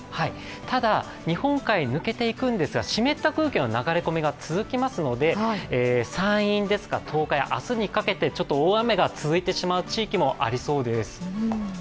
ただ、日本海抜けていくんですが湿った空気の流れ込みが続くので、山陰ですとか、東海、明日にかけて大雨が続いてしまう地域もありそうです。